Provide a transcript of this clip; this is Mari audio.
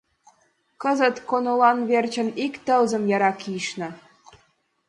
— Кызыт конолан верчын ик тылзым яра кийышна!